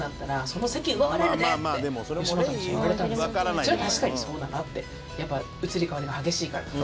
それは確かにそうだなってやっぱ移り変わりが激しいから。